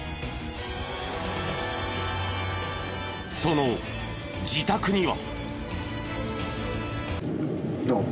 その自宅には。